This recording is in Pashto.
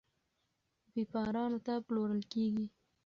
بېپارانو ته پلورل کیږي.